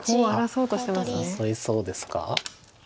争いそうですか。